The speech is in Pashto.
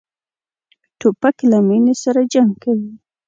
توپک له مینې سره جنګ کوي.